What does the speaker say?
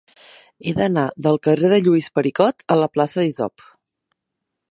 He d'anar del carrer de Lluís Pericot a la plaça d'Isop.